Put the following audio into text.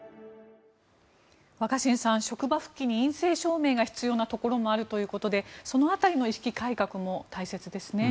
若新さん、職場復帰に陰性証明が必要なところもあるということでその辺りの意識改革も大切ですね。